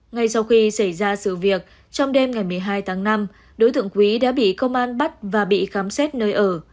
ngay sau khi xảy ra sự việc trong đêm ngày một mươi hai tháng năm đối tượng quý đã bị công an bắt và bị khám xét nơi ở